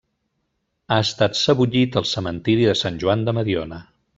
Ha estat sebollit al cementiri de Sant Joan de Mediona.